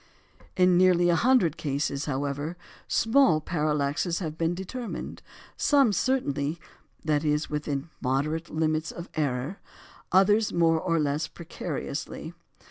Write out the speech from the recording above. In nearly a hundred cases, however, small parallaxes have been determined, some certainly (that is, within moderate limits of error), others more or less precariously.